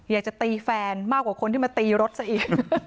อยากจะตีแฟนมากกว่าคนที่มาตีรถซะอีก